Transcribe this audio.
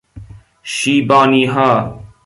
شیبانیها